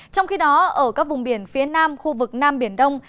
trong khi đó ở các vùng biển phía nam khu vực nam biển đông